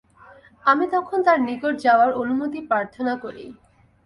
আমি তখন তার নিকট যাওয়ার অনুমতি প্রার্থনা করি।